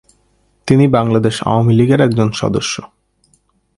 তিনি বাংলাদেশ আওয়ামী লীগের একজন সদস্য।